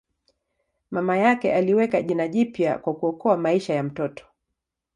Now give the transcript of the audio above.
Mama yake aliweka jina jipya kwa kuokoa maisha ya mtoto.